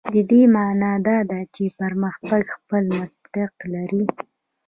د دې معنا دا ده چې پرمختګ خپل منطق لري.